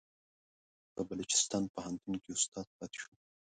په بلوچستان پوهنتون کې استاد پاتې شو.